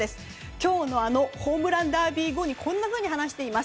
今日のあのホームランダービー後にこんなふうに話しています。